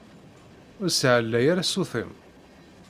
Ur ssiεlay ara ssut-im!